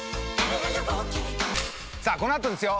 さあこのあとですよ。